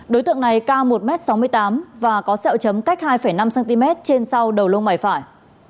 đối tượng này cao một m sáu mươi tám và có sẹo chấm cách hai năm cm trên sau đầu lông mày phải